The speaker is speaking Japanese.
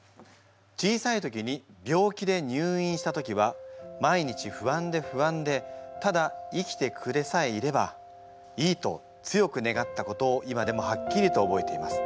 小さい時に病気で入院した時は毎日不安で不安でただ生きてくれさえいればいいと強く願ったことを今でもはっきりと覚えています」。